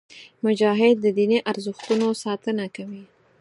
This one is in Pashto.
مجاهد د دیني ارزښتونو ساتنه کوي.